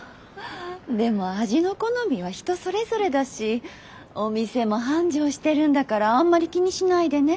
でも味の好みは人それぞれだしお店も繁盛してるんだからあんまり気にしないでね。